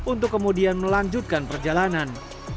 untuk kemudian melanjutkan perjalanan